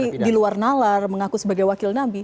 dianggap ini diluar nalar mengaku sebagai wakil nabi